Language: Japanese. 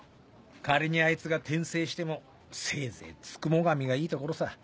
仮にあいつが転生してもせいぜい九十九神がいいところさ。